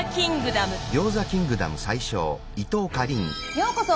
ようこそ！